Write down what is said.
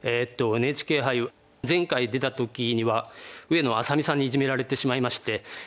ＮＨＫ杯前回出た時には上野愛咲美さんにイジメられてしまいまして。